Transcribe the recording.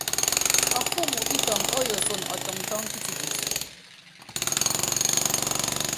Ɔfɔ́ɔm ú kitɔŋ óyooson ɔtɔŋtɔ́ŋ kitikit.